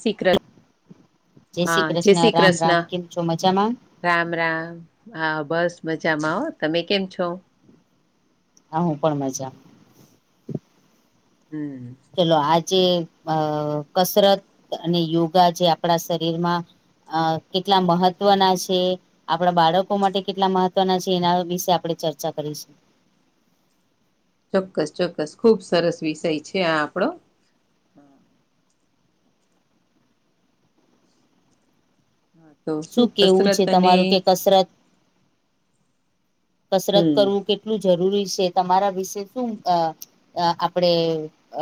શ્રી કૃષ્ણ શ્રી હા જય કૃષ્ણ શ્રી રામ રામ કૃષ્ણ. કેમ છો મજામાં રામ રામ, હા બસ મજામાં હો. તમે કેમ છો? હ હું પણ મજામા. હમ. ચલો આજે અ કસરત અને યોગા જે આપણા શરીરમાં, અ કેટલા મહત્વના છે. આપણા બાળકો માટે કેટલા મહત્વના છે એના વિશે આપણે ચર્ચા કરીશું. ચોક્કસ ચોક્કસ. ખુબ સરસ વિષય છે આ આપડો. હા તો શું કેવું છે કસરત અને, તમારું કે કસરત કસરત હમ કરવું કેટલું જરૂરી છે તમારા વિશે શું અ આપડે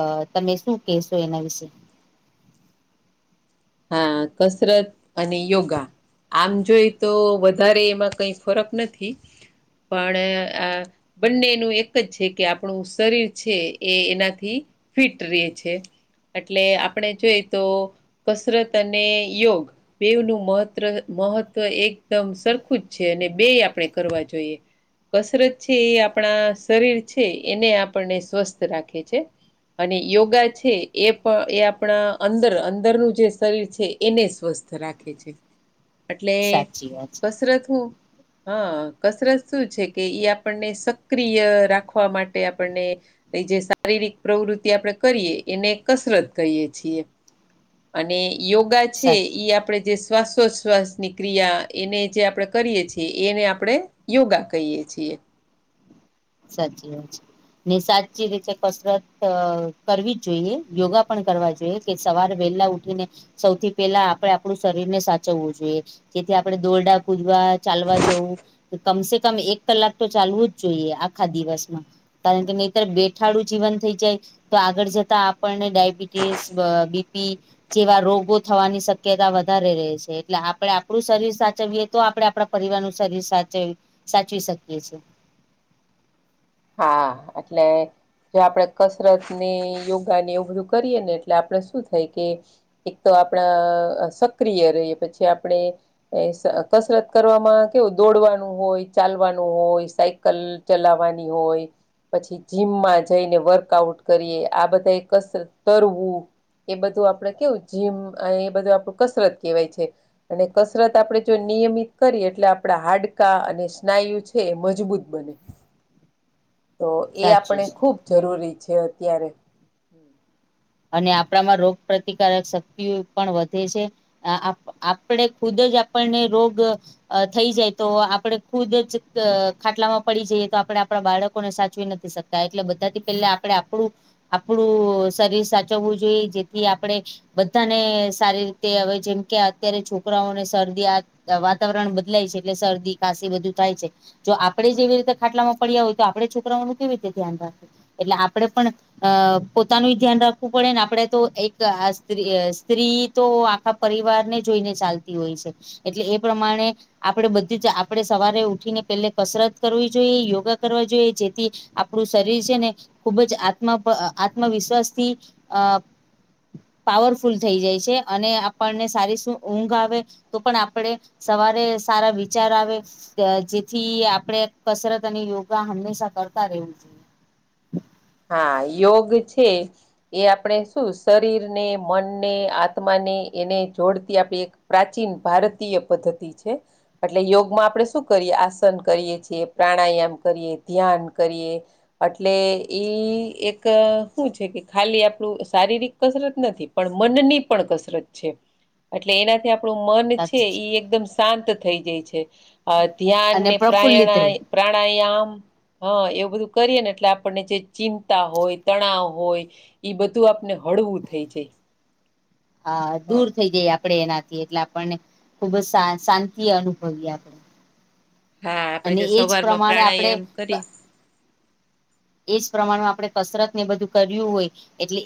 અ તમે શું કહેશો એના વિશે. હા કસરત અને યોગા. આમ જોઈ તો વધારે એમાં કઈ ફરક નથી પણ અ બંનેનું એક જ છે કે આપણું શરીર છે એ એનાથી ફિટ રહે છે એટલે આપણે જોઈ તો કસરત અને યોગ બેઉંનું મહત્ર મહત્વ એકદમ સરખું જ છે અને બે આપણે કરવા જોઈએ કસરત છે એ આપણા શરીર છે એણે આપણને સ્વસ્થ રાખે છે. અને યોગા છે એ પ એ આપણા અંદર અંદરનું જે શરીર છે એને સ્વસ્થ રાખે છે એટલે સાચી વાત છે કસરત હું હા કસરત શું છે કે એ આપણને સક્રિય રાખવા માટે આપણને એ જે શારીરિક પ્રવૃત્તિ આપણે કરીએ એને કસરત કહીએ છીએ. અને યોગા છે સાચી ઈ આપડે જે શ્વાસો શ્વાસની ક્રિયા એને જે આપણે કરીએ છીએ એને આપણે યોગા કહીએ છીએ. સાચી વાત છે. ને સાચી રીતે કસરત કરવી જ જોઈએ યોગા પણ કરવા જોઈએ. કે સવાર વહેલા ઉઠીને સૌથી પહેલા આપડે આપણું શરીરને સાચવવું જોઈએ. જેથી આપણે દોરડા કુદવા, ચાલવા જવું- કમસે કમ એક કલાક તો ચાલવું જ જોઈએ આખા દિવસમાં કારણ કે નહિતર બેઠાડું જીવન થઈ જાય તો આગળ જતા આપણને ડાયબિટીસ, બીપી જેવા રોગો થવાની શક્યતા વધારે રહે છે એટલે આપડે આપડું શરીર સાચવીએ તો આપડે આપણા પરિવાર શરીર સાચવી સાચવી શકીએ છીએ. હા એટલે જે આપણેે કસરત ને યોગા ને એવું બધું કરીએ ને એટલે આપણે શું થાય કે એક તો આપણા સક્રિય રહીએ પછી આપણે એ કસરત કરવામાં કેવું દોડવાનું હોય, ચાલવાનું હોય સાયકલ ચલાવાની ની હોય પછી જીમમાં જઈને વર્કઆઉટ કરીએ આ બધાએક કસરત કરવું એ બધું આપડે કેવું જીમ અને એ બધું આપણું કસરત કહેવાય છે. અને કસરત આપણે જો નિયમિત કરીએ એટલે આપડા હાડકા અને સ્નાયુ હે મજબૂત બને તો એ સાચું આપણે છે. ખુબ જરૂરી છે અત્યારે અને આપણામાં રોગ પ્રતિકારક શક્તિઓ પણ વધે છે. આપણેે ખુદ જ આપણને રોગ અ થઈ જાય તો આપડે ખુદ જ ખાટલામાં પડી જઈએ તો આપડે આપણા બાળકોને સાચવી નથી શક એટલે બધાથી પેલા આપડે આપડુ આપડુ શરીર સાચવવું જોઈએ જેથી આપડે બધાને સારી રીતે અવે જેમ કે આત્યારે છોકરાઓને શરદી આ વાતાવરણ બદલાય છે એટલે શરદી ખાંસી બધું થાય છે. જો આપડે જેવી રીતે ખાટલામાં પડ્યા ઓય તો આપડે છોકરાઓનું કેવી તે ધ્યાન રાખવું? એટલે આપડે પણ અ પોતાનુંય ધ્યાન રાખ વું પડે ને આપડે તો એક આ સ્ત્રી અ સ્ત્રી તો આખા પરિવારને જોઈને ચાલતી હોય છે. એટલે એ પ્રમાણે આપડે બધી જ આપણેે સવારે ઉઠીને પેલ્લે કસરત કરવી જોઈએ, યોગા કરવા જોઈએ, જેથી આપણું શરીર છે ને ખૂબ જ આત્મ પ, આત્મવિશ્વાસ થી અ પાવરફુલ થઈ જાય છે અને આપણને સારી શું ઊંઘ આવે, તો પણ આપણેે સવારે સારા વિચાર આવે અ જેથી આપડે કસરત અને યોગા હંમેશા કરતા રહેવું જોઈએ. હાં, યોગ છે એ આપણે શું શરીરને, મનને, આત્માને એને જોડતી આપે એક પ્રાચીન ભારતીય પદ્ધતિ છે એટલે યોગમાં આપણે શું કરીએ? આસન કરીએ છીએ, પ્રાણાયામ કરીએ, ધ્યાન કરીએ અટલે ઈ એક હું છે કે ખાલી આપણું શારીરિક કસરત નથી પણ મનની પણ કસરત છે અટલે એનાથી આપ પણું મન છે ઈ એકદમ શાંત થઈ જય છે, અ ધ્યાન અને ને પ્રફુલ્લિત રહે પ્રાયણાય પ્રાણાયામ, હં, એવું બધું કરીએ ને એટલે આપ પણને જે ચિંતા હોય, તણાવ હોય ઈ બધું આપને હળવું થઈ જય હા, દૂર થઈ જઈ આપડે એનાથી એટલે આપણને ખુબ જ શા શાંતિ અનુભવીએ આપડે હા, આપડે જે સવારમાં પ્રમાણે આપણે પ્રાણાયામ કરી એજ પ્રમાણમાં આપણે કસરત ને બધું કર્યું હોય એટલે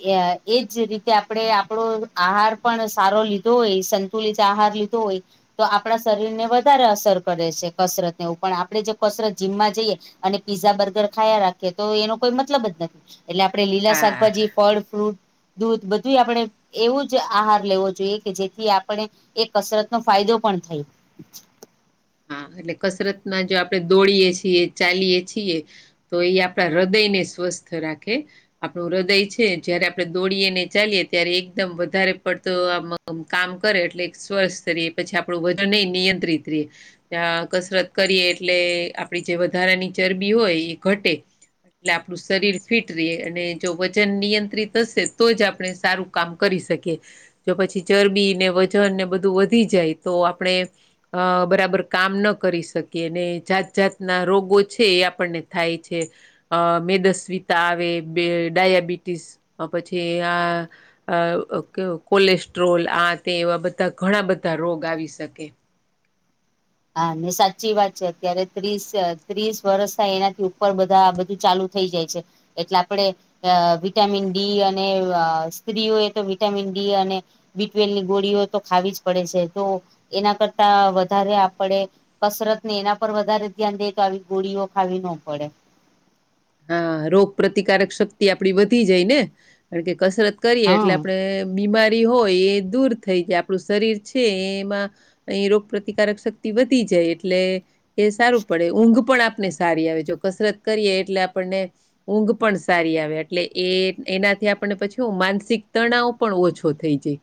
એજ રીતે આપણેે આપણો આહાર પણ સારો લીધો હોય સં તુલિત આહાર લીધો હોય તો આપણા શરીરને વધારે અસર કરે છે કસરતને એઉ પણ આપણે જે કસરત જીમમાં જઈએ અને પીઝા બર્ગર ખાયા રાખ એ તો એનો કોઈ મતલબ જ નથી એટલે આપણે લીલા હા. શાકભાજી ફળ ફ્રૂટ દૂધ બધુંય આપણે એવું જ આહાર લેવો જોઈએ કે જેથી આપણે એ કસરત નો ફાયદો પણ થય હાં, એટલે કસરત ના જો આપણે દોડીએ છીએ, ચાલીએ છીએ, તો એ આપણા હૃદયને સ્વસ્થ રાખે આપણું હૃદય છે, જયારે આપણે દોડીએ ને ચાલીયે, ત્યારે એકદમ વધારે પડતો આમ અમ કામ કરે, એટલે એક સ્વસ્થ રે એ પછી આપણું વજનેય નિયંત્રિત રીયે અ, કસરત કરીએ એટલે આપણી જે વધારાની ચરબી હોય એ ઘટે લે આપણું શરીર ફિટ રે અને જો વજન નિયંત્રિત હશે તો જ આપણે સારુ કામ કરી શકે જો પછી ચરબી ને વજન ને બધું વધી જાય તો આપણે અ બરાબર કામ ન કરી શકીએ, ને જાત જાતના રોગો છે એ આપણને થાય છે અ મેદસ્વીતા આવે, બે ડાયાબિટીસ અ પછી આ અ ક કોલેસ્ટ્રોલ આ તે એવા બધ્ધા ઘણા બધા રોગ આવી શકે હા, ને સાચી વાત છે, અત્યારે ત્રીસ અ ત્રીસ વરસ થાય એનાથી ઉપર આ બધા, બધુ ચાલુ થઈ જાય છે એટલે આપડે અ વિટામિન ડી અને અ સ્ત્રીઓય તો વિટામિન ડી અને બી ટ્વેલની ગોળીઓ તો ખાવી જ પડે છે તો એના કરતા વધારે આ પડે કસરત ને એના પર વધારે ધ્યાન દે તો આવી ગોળીઓ ખાવી ન પડે હાં, રોગ પ્રતિકારક શક્તિ આપણી વધી જાય ને! કારણકે કસરત કરીયે હા એટલે આપડે બીમારી હોય એ દૂર થઈ જાય, આપણું શરીર છે એમાં અઈ રોગપ્રતિકારક શક્તિ વધી જાય એટલે એ સારું પડે ઊંઘ પણ આપને સારી આવે જો કસરત કરીએ એટલે આપણને ઊંઘ પણ સારી આવે એટલે એ એનાથી આપણે પછી હું માનસિક તણાવ પણ ઓછો થઈ જાય.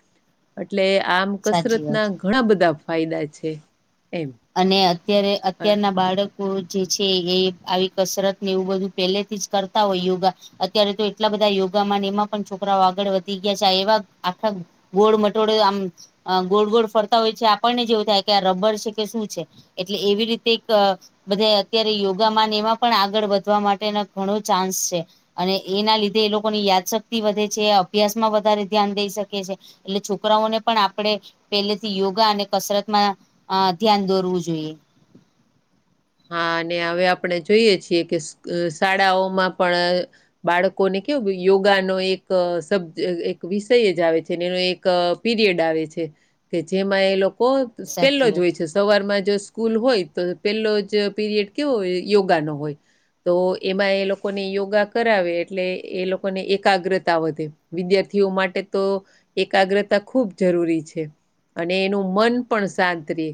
એટલે આમ સાચી વાત કસરતના છે ઘણા બધા ફાયદા છે. એમ અને અત્યારે અ અત્યારના બાળક કો જે છે એ આવી કસરતને એવું બધું પહેલેથી જ કરતા હોય યોગા અત્યારે તો એટલા બધા યોગામાં ને એમાં પણ છોકરાઓ આગળ વધી ગયા છે આ એવા આખા ગોળ મટોડે આમ અ ગોળ-ગોળ ફરતાં હોય છે આપણને જ એવું થાય કે આ રબર છે ક કે શું છે એટલે એવી રીતે એક અ બધાય અત્યારે યોગામાં ને એમાં પણ આગળ વધવા માટેનો ઘણો ચાન્સ છે. અને એના લીધે એ લોકોની યાદશક્તિ વધે છે, અભ્યાસમાં વધારે ધ્યાન દઈ શકે છે. એટલે છોકરાઓને પણ આપણે પહેલેથી યોગા અને કસરતમાં અ ધ્યાન દોરવું જોઈએ. હા અને હવે આપણે જોઈએ છીએ કે અ શાળાઓમાં પણ બાળકોને કેવું યોગાનો એક અ સબ્જ એક વિષય જ આવે છે ને એનો એક ક એક પીરિયડ આવે છે કે જેમાં એ લોકો પેલો સાચી જ વાત હોય છે સવારમાં જો સ્કૂલ હોય તો પેલો જ જ પીરિયડ કેવો હોય યોગાનો હોય. તો એમાં એ લોકોને યોગા કરાવે એટલે એ લોકોને એકાગ્રતા વધે. વિદ્યાર્થીઓ માટે તો એકાગ્રતા ખૂબ જરૂરી છે. અને એનું મન પણ શાંત રે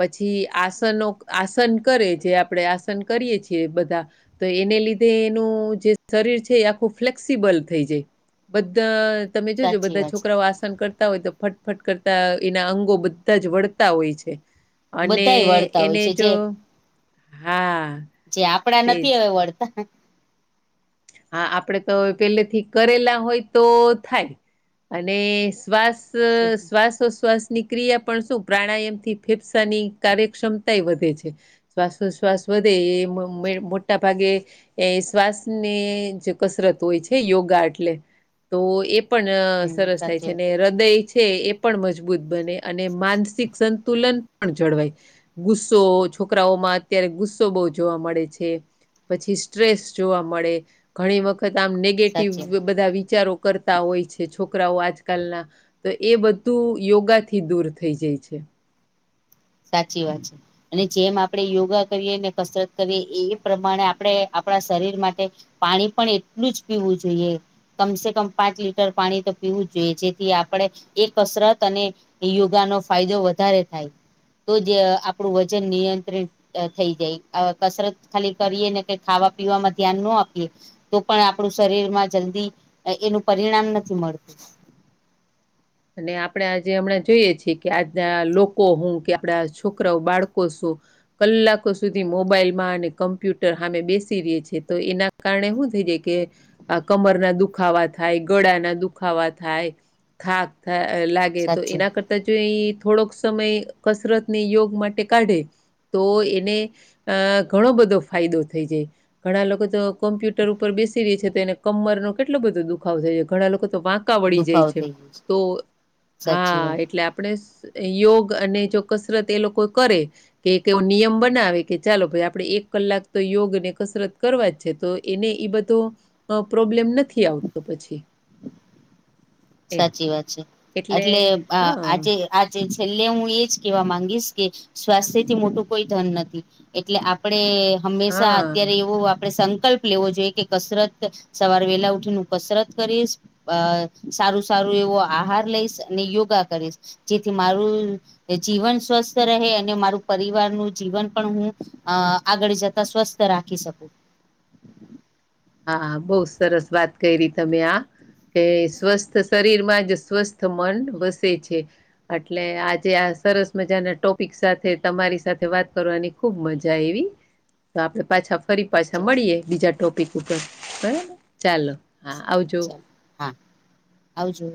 પછી આસનો આસન કરે જે આપણે આસન કરીએ છીએ બધા તો એને લીધે એનું જે શરીર છે એ આખું ફ્લેક્સિબલ થઈ જાય. બધા તમે જોજો સાચી બધા વાત છે છોકરાઓ આસન કર તા હોય તો ફટફટ કરતા એના અંગો બધા જ વળતાં હોય છે. અને બધાય વળતા હોય એને છે જે જો હા. જે આપડા તેજ નથી હવે વળતાં. હા, આપડે તો પેલેથી કરેલા હોય તો થાય. અને શ્વાસ શ્વાસોશ્વાસ ની ક્રિયા પણ શું પ્રાણાયામથી ફેફસાની કાર્યક્ષમતાય વધે છે. શ્વાસોશ્વાસ વધે એ મે મોટાભાગે એ શ્વાસ ને જ કસરત હોય છે યોગા એટલે તો એ પણ હમ સરસ થાય છે સાચી અને હૃદયે છે એ પણ મજબૂત બને. અને માનસિક સંતુલન પણ જળવાય, ગુસ્સો છોકરાઓમાં અત્યારે ગુસ્સો બહુ જોવા મળે છે. પછી સ્ટ્રેસ જોવા મળે ઘણી વખત આમ નેગેટિવ સાચી બધાં વિચારો કરતાં હોય છે છોકરાઓ આજકાલના તો એ બધું યોગાથી દૂર થઈ જાય છે. સાચી વાત છે. અને જેમ આપણે યોગા કરીએ ને કસરત કરીએ એ પ્રમાણે આપણે આપણા શરીર માટે પાણી પણ એટલું જ પીવું જોઈએ. કમસે કમ પાંચ લીટર પાણી તો પીવું જ જોઈએ જેથી આપણેે એ કસરત અને એ યોગાનો ફાયદો વધારે થાય. તો જ આપણું વજન નિયંત્રિત થઈ જાય અ કસરત ખાલી કરીએ ને કંઈ ખાવા પીવામાં ધ્યાન નો આપીએ તો પણ આપણું શરીરમાં જલ્દી એનું પરિણામ નથી મળતું. અને આપણે આજે હમણાં જોઈએ છીએ કે આજના લોકો હુ, કે આપણા છોકરાઓ બાળકો શું કલાકો સુધી મોબાઈલમાં અને કમ્પ્યુટર હામે બેસી રીએ છે તો એના કારણે હુ થઈ જાય કે આ કમરના દુખાવા થાય, ગળાના દુખાવા થાય, થાક લાગે તો સાચું એના કરતા જો એ થોડોક સમય કસરત ને યોગ માટે કાઢે તો એને આ ઘણો બધો ફાયદો થઈ જાય ઘણા લોકો તો કોમ્પ્યુટર ઉપર બેસી ર્યાછે તો એને કમર નો કેટલો બધો દુખાવ થાય છે ઘણા લોકો તો વાંક દુખાવો થઈ ગયો છે. તો હા સાચી વાત એટલે આપણે યોગ અને જો કસરત એ લોકો કરે કે એવ નિયમ બનાવે કે ચાલો ભાઈ આપડણે એક કલાક તો યોગ ને કસરત કરવા જ છે. તો એને ઈ બધો પ્રોબ્લેમ નથી આવતો પછી એમ. સાચી વાત છે. એટલે આ હા, આજે આજે છેલ્લે હું એજ કેવા માંગીશ કે સ્વાસ્થ્ય થી મોટું કોઈ ધન નથી. એટલે આપડે હંમેશા હા, અત્યારે એવો આપડે સંકલ્પ લેવો જોઈએ કે કસરત સવાર વેલા ઉઠીનેું કસરત કરીશ અ સારું સારું એવો આહાર લઈશ અને યોગા કરીશ જેથી મારુ જીવન સ્વસ્થ રહે અને મારું પરિવાર નું જીવન પણ હુ, આગળ જતા સ્વસ્થ રાખી શકો હા બહુ સરસ વાત કરી ર તમે એ સ્વસ્થ શરીરમાં જ સ્વસ્થ મન વસે છે. એટલે આજે આ સરસ મજાના ટોપિક સાથે તમારી સાથે વાત કરવાની ખુબ મજા આઈવી તો આપડે પાછા ફરી ચ પાછા મળીએ બીજા ટોપિક ઉપર બરાબર, ચાલો હા આવજો. ચાલ હા આવજુ,